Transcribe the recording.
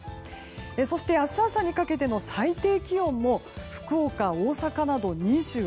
そして明日朝にかけての最低気温も福岡、大阪など２８度。